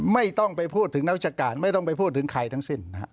ไม่ต้องไปพูดถึงนักวิชาการไม่ต้องไปพูดถึงใครทั้งสิ้นนะฮะ